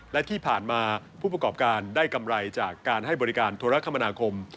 และที่ผ่านมาผู้ประกอบการได้กำไรจากการให้บริการโทรคมนาคม